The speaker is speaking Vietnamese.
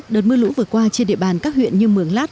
đợt mưa lũ vừa qua trên địa bàn các huyện như mường lát